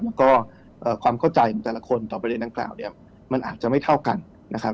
แล้วก็ความเข้าใจของแต่ละคนต่อประเด็นดังกล่าวเนี่ยมันอาจจะไม่เท่ากันนะครับ